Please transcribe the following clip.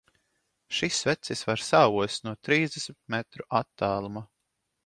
Šis vecis var saost no trīsdesmit metru attāluma!